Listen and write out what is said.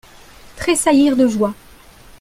Trésaillir de joie.